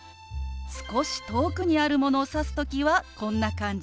少し遠くにあるものを指す時はこんな感じ。